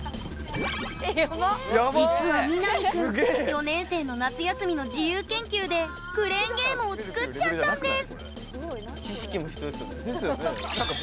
実は、みなみ君４年生の夏休みの自由研究でクレーンゲームを作っちゃったんです。